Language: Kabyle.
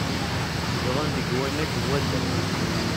Zedɣen deg wannag n wadda.